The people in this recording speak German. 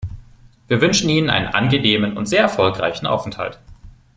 Wir wünschen Ihnen einen angenehmen und sehr erfolgreichen Aufenthalt.